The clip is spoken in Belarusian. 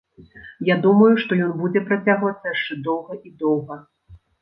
Я думаю, што ён будзе працягвацца яшчэ доўга і доўга.